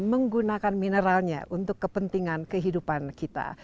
menggunakan mineralnya untuk kepentingan kehidupan kita